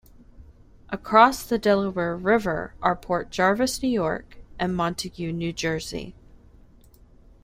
Across the Delaware River are Port Jervis, New York and Montague, New Jersey.